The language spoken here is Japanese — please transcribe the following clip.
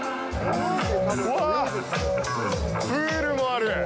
うわあ、プールもある！